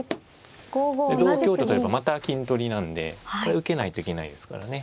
同香と取ればまた金取りなんでこれは受けないといけないですからね。